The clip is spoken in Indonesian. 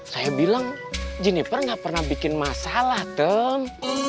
saya bilang jenniper nggak pernah bikin masalah tem